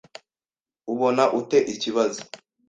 Ubona ute ikibazo?